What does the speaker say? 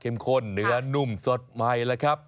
ข้นเนื้อนุ่มสดใหม่แล้วครับ